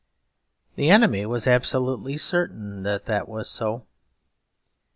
The enemy was absolutely certain that it was so.